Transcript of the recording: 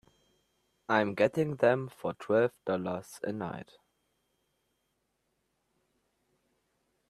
I'm getting them for twelve dollars a night.